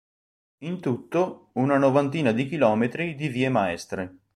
In tutto, una novantina di km di vie maestre.